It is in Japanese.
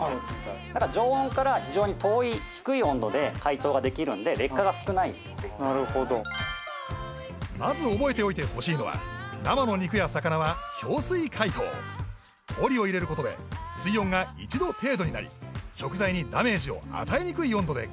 だから常温から非常に遠い低い温度で解凍ができるんで劣化が少ないなるほどまず覚えておいてほしいのは生の肉や魚は氷水解凍氷を入れることで水温が１度程度になり食材にダメージを与えにくい温度で解凍できます